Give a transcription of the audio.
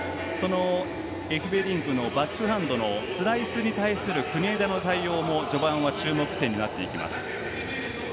エフベリンクのバックハンドのスライスに対する国枝の対応も序盤は注目点になってきます。